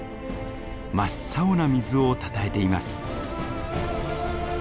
真っ青な水をたたえています。